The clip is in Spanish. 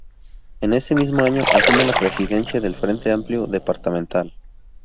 En ese mismo año asume la Presidencia del Frente Amplio departamental.